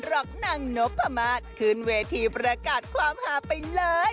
รักนางน๊อปพระมาศขึ้นเวทีฟ้ากัดความหาไปเลย